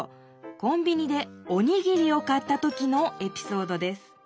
コンビニでおにぎりを買った時のエピソードです